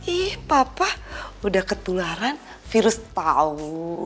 ih papa udah ketularan virus tahu